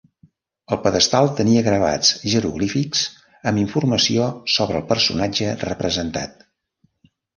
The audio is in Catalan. El pedestal tenia gravats jeroglífics amb informació sobre el personatge representat.